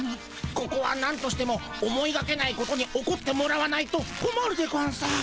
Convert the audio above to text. ここはなんとしても思いがけないことに起こってもらわないとこまるでゴンス。